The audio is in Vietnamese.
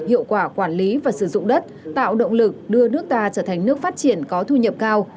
hiệu quả quản lý và sử dụng đất tạo động lực đưa nước ta trở thành nước phát triển có thu nhập cao